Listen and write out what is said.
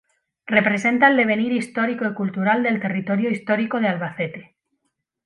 Representa el devenir histórico y cultural del territorio histórico de Albacete.